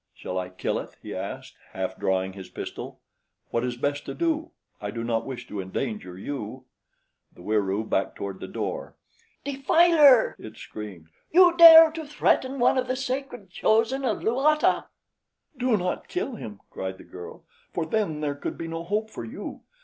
"Shall I kill it?" he asked, half drawing his pistol. "What is best to do? I do not wish to endanger you." The Wieroo backed toward the door. "Defiler!" it screamed. "You dare to threaten one of the sacred chosen of Luata!" "Do not kill him," cried the girl, "for then there could be no hope for you.